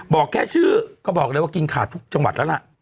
บอกแค่ชื่อก็บอกเลยว่ากินขาดทุกจังหวัดแล้วล่ะ